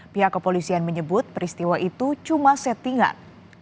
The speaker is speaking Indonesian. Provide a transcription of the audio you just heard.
pihak kepolisian menyebut peristiwa itu cuma settingan